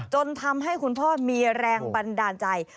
จนทำให้คุณพ่อมีแรงบันดาลใจ